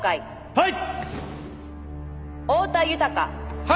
はい。